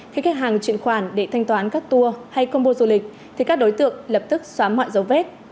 khi khách hàng chuyển khoản để thanh toán các tour hay combo du lịch thì các đối tượng lập tức xóa mọi dấu vết